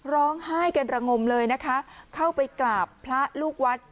ร้องไห้กันระงมเลยนะคะเข้าไปกราบพระลูกวัด